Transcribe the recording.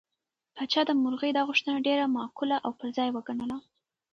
پاچا د مرغۍ دا غوښتنه ډېره معقوله او پر ځای وګڼله.